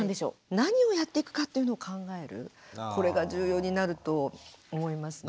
何をやっていくかっていうのを考えるこれが重要になると思いますね。